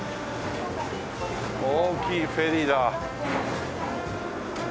大きいフェリーだ。